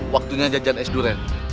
waktunya jajan es durian